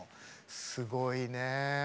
すごいね。